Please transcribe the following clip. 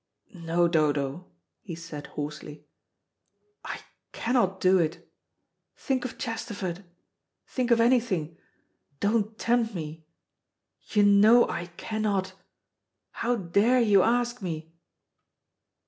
"No, Dodo," he said hoarsely, "I cannot do it. Think of Chesterford! Think of anything! Don't tempt me. You know I cannot. How dare you ask me?"